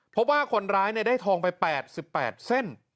เพราะว่าคนร้ายได้ทองไป๘๘เส้น